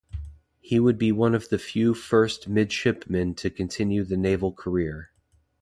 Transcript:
He would be one of the few first midshipmen to continue the naval career.